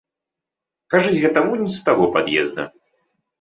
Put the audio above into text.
Кажысь, гэта вунь з таго пад'езда.